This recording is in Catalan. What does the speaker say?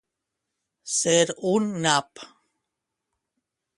Ser un nap.